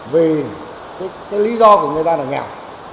vì cái lý do của người ta là nghèo